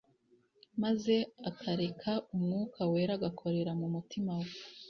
maze akareka Umwuka Wera agakorera mu mutima we,